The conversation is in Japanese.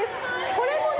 これもね